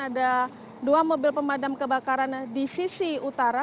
ada dua mobil pemadam kebakaran di sisi utara